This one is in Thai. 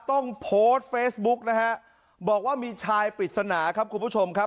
ต้องโพสต์เฟซบุ๊กนะฮะบอกว่ามีชายปริศนาครับคุณผู้ชมครับ